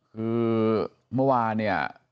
คือเมื่อวานเนี่ย